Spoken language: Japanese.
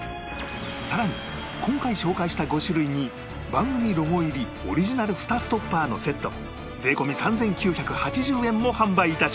さらに今回紹介した５種類に番組ロゴ入りオリジナルフタストッパーのセット税込３９８０円も販売致します